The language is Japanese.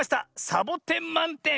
サボテンまんてん！